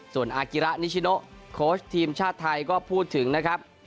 ส่วนอากิระนิชิโนโค้ชทีมชาติไทยก็พูดถึงนะครับ